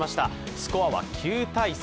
スコアは９−３。